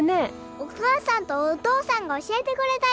お母さんとお父さんが教えてくれたよ。